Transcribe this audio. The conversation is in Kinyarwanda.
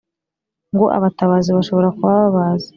ngo abatabazi bashobora kuba babazi